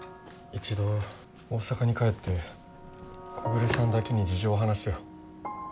一度大阪に帰って木暮さんだけに事情を話すよ。